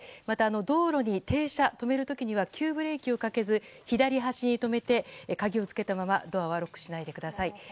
また、道路に停車止める時には急ブレーキをかけず左端に止めて、鍵を付けたままドアはロックしないでください。